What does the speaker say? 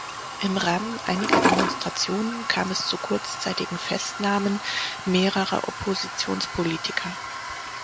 Im Rahmen einiger Demonstrationen kam es zu kurzzeitigen Festnahmen mehrerer Oppositionspolitiker.